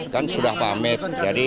kan sudah pamit